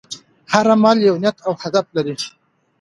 هر عمل یو نیت او هدف لري.